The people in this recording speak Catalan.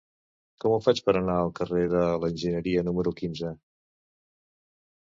Com ho faig per anar al carrer de l'Enginyeria número quinze?